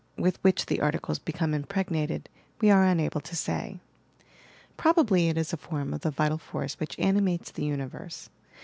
with which the articles become impregnated, we are unable to say. Probably it is a form of the vital force which animates the uni verse.